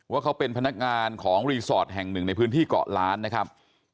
ว่าเขาเป็นพนักงานของรีสอร์ทแห่งหนึ่งในพื้นที่เกาะล้านนะครับ